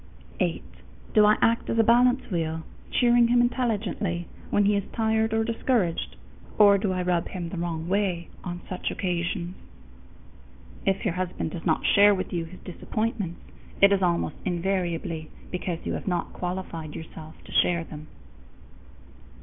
_8. Do I act as a balance wheel, cheering him intelligently when he is tired or discouraged, or do I rub him the wrong way on such occasions?_ If your husband does not share with you his disappointments, it is almost invariably because you have not qualified yourself to share them.